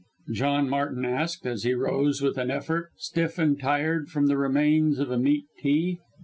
John Martin asked as he rose with an effort, stiff and tired, from the remains of a meat tea.